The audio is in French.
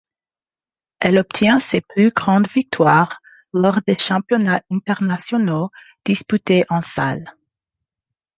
Elle obtient ses plus grandes victoires lors des Championnats internationaux disputés en salle.